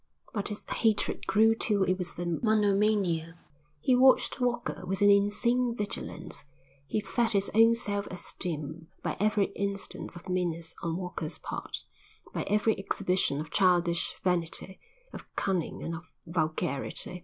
But his hatred grew till it was a monomania. He watched Walker with an insane vigilance. He fed his own self esteem by every instance of meanness on Walker's part, by every exhibition of childish vanity, of cunning and of vulgarity.